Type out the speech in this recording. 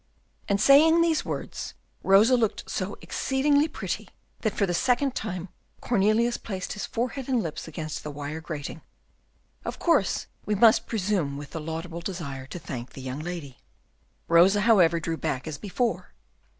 And, saying these words, Rosa looked so exceedingly pretty, that for the second time Cornelius placed his forehead and lips against the wire grating; of course, we must presume with the laudable desire to thank the young lady. Rosa, however, drew back as before.